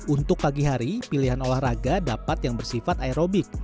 untuk pagi hari pilihan olahraga dapat yang bersifat aerobik